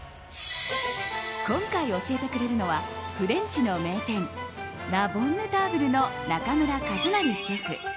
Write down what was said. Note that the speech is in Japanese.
今回教えてくれるのはフレンチの名店ラ・ボンヌターブルの中村和成シェフ。